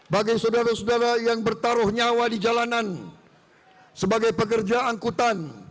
bagi saudara saudara yang bertaruh nyawa di jalanan sebagai pekerja angkutan